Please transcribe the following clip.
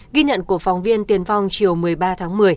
ghi nhận của phóng viên tiền phong chiều một mươi ba tháng một mươi